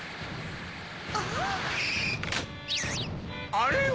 あれは！